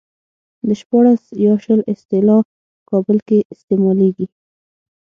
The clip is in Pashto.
د شپاړس يا شل اصطلاح په کابل کې استعمالېږي.